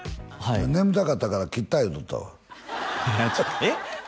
眠たかったから切った言うとったわえっ！？